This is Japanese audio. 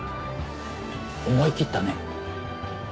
思い切ったね。